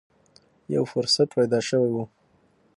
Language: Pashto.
یو فرصت پیدا شوې و